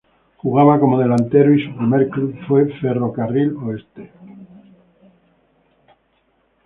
Jugaba como delantero y su primer club fue Ferro Carril Oeste.